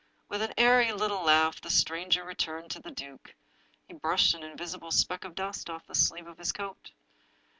With an airy little laugh the stranger returned to the duke. He brushed an invisible speck of dust off the sleeve of his coat.